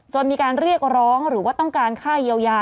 มีการเรียกร้องหรือว่าต้องการค่าเยียวยา